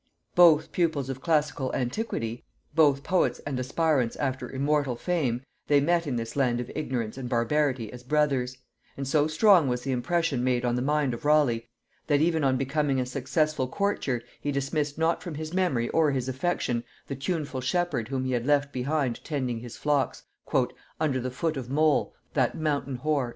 Both pupils of classical antiquity, both poets and aspirants after immortal fame, they met in this land of ignorance and barbarity as brothers; and so strong was the impression made on the mind of Raleigh, that even on becoming a successful courtier he dismissed not from his memory or his affection the tuneful shepherd whom he had left behind tending his flocks "under the foot of Mole, that mountain hoar."